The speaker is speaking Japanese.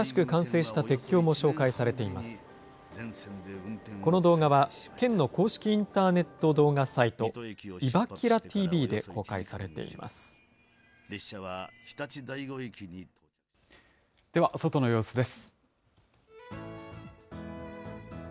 この動画は、県の公式インターネット動画サイト、いばキラＴＶで公開されています。